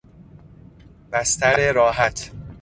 بستر راحت